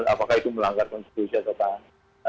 apakah itu melanggar konstitusi atau tangan